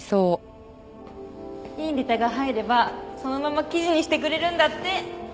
いいネタが入ればそのまま記事にしてくれるんだって。